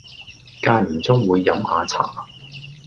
間唔中會飲吓茶